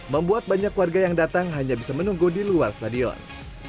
membuat banyak warga yang datang hanya bisa menunggu di luar stadion